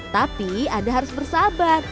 tapi anda harus bersabar